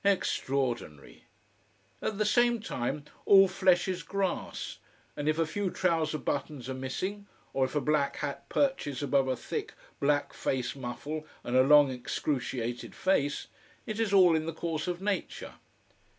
Extraordinary! At the same time, all flesh is grass, and if a few trouser buttons are missing or if a black hat perches above a thick black face muffle and a long excruciated face, it is all in the course of nature.